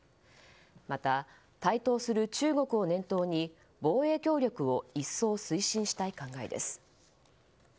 また、台頭する中国を念頭に防衛協力を一層、推進したい考えです。